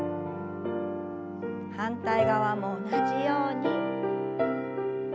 反対側も同じように。